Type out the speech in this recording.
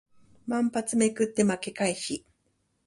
万発捲って負け回避